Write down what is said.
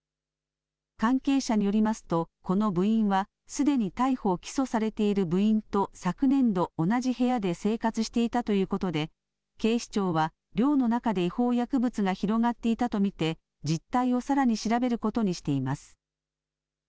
関係者によりますとこの部員はすでに逮捕・起訴されている部員と昨年度、同じ部屋で生活していたということで警視庁は寮の中で違法薬物が広がっていたと見て実態をさらに調べることにしています。